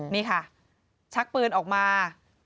นี่ค่ะชักปืนออกมา